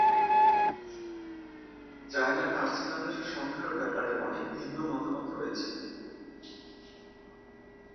চায়নার আর্সেনালের সংখ্যার ব্যাপারে অনেক ভিন্ন মতামত রয়েছে।